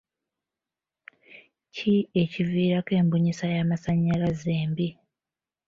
Ki ekiviirako embunyisa y'amasannyalaze embi?